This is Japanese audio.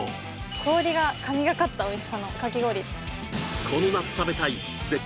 氷が神がかったおいしさのかき氷を紹介！